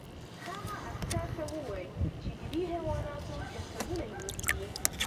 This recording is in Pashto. هغه عسکر ته وویل چې د دې حیواناتو جسدونه یوسي